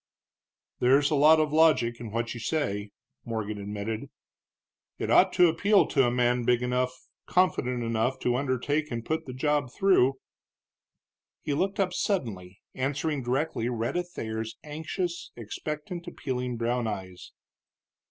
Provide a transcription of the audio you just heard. "There's a lot of logic in what you say," Morgan admitted; "it ought to appeal to a man big enough, confident enough, to undertake and put the job through." He looked up suddenly, answering directly Rhetta Thayer's anxious, expectant, appealing brown eyes.